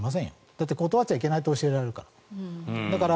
だって断っちゃいけないと教えられるから。